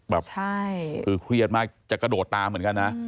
แบบคือเครียดมากจะกระโดดตามเหมือนกันนะ